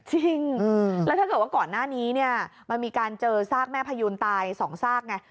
จริงแล้วถ้าเกิดว่าก่อนหน้านี้เนี่ยมันมีการเจอซากแม่พยูนตาย๒ซากไง